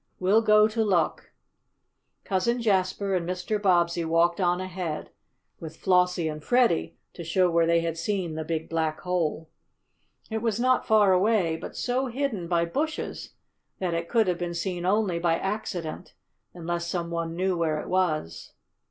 "We'll go to look!" Cousin Jasper and Mr. Bobbsey walked on ahead, with Flossie and Freddie to show where they had seen the big, black hole. It was not far away, but so hidden by bushes that it could have been seen only by accident, unless some one knew where it was.